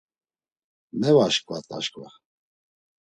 Mevaşǩvat aşǩva.